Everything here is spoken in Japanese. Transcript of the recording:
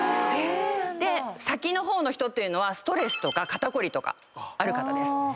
先の方の人というのはストレスとか肩凝りとかある方です。